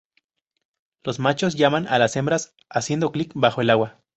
Los machos llaman a las hembras haciendo clic bajo el agua.